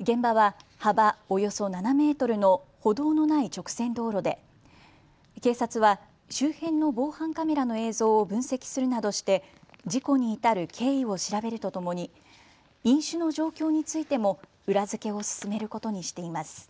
現場は幅およそ７メートルの歩道のない直線道路で警察は周辺の防犯カメラの映像を分析するなどして事故に至る経緯を調べるとともに飲酒の状況についても裏付けを進めることにしています。